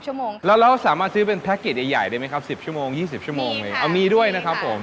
ชั่วโมงแล้วเราสามารถซื้อเป็นแพ็คเกจใหญ่ใหญ่ได้ไหมครับสิบชั่วโมงยี่สิบชั่วโมงเองเอามีด้วยนะครับผม